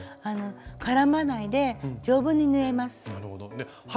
絡まないで丈夫に縫えます。